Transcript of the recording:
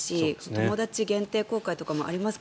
友だち限定公開とかもあります